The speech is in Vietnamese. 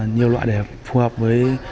nhiều loại để phù hợp với